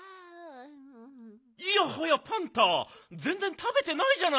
いやはやパンタぜんぜんたべてないじゃないか。